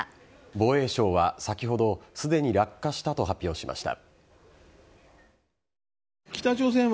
防衛省は先ほどすでに落下したと発表しました。